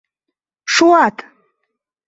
— Шуат!